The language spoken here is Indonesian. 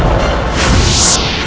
amin ya rukh alamin